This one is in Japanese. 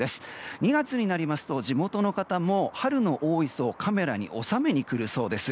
２月になりますと地元の方、春の大磯をカメラに収めに来るそうです。